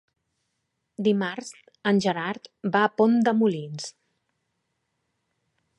Dimarts en Gerard va a Pont de Molins.